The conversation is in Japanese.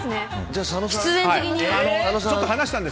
じゃあ佐野さん。